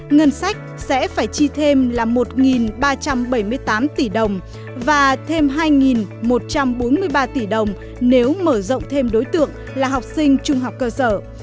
ngân sách sẽ phải chi thêm là một ba trăm bảy mươi tám tỷ đồng và thêm hai một trăm bốn mươi ba tỷ đồng nếu mở rộng thêm đối tượng là học sinh trung học cơ sở